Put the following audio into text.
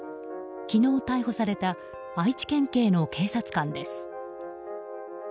昨日逮捕された愛知県警の警察官です。